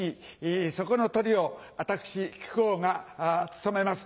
そこのトリを私木久扇が務めます。